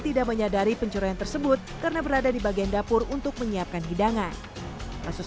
tidak menyadari pencurian tersebut karena berada di bagian dapur untuk menyiapkan hidangan kasus